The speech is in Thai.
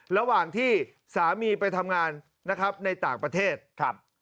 ระหว่างที่สามีไปทำงานนะครับในต่างประเทศครับ